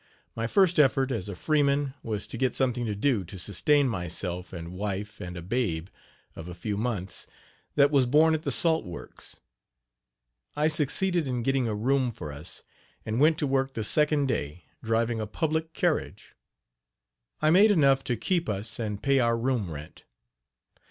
My first effort as a freeman was to get something to do to sustain myself and wife and a babe of a few months, that was born at the salt works. I succeeded in getting a room for us, and went to work the second day driving a public carriage. I made enough to keep us and pay our room rent.